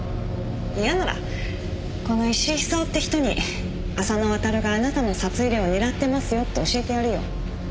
嫌ならこの石井久雄って人に浅野亘があなたの札入れを狙ってますよって教えてやるよ。